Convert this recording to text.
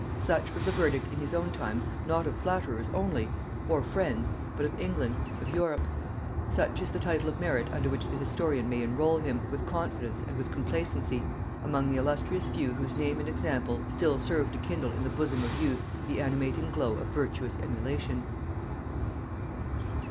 Such was the verdict in his own times not of flatterers only, or friends, but of England, of Europe; such is the title of merit under which the historian may enroll him, with confidence and with complacency, among the illustrious few whose name and example still serve to kindle in the bosom of youth the animating glow of virtuous emulation.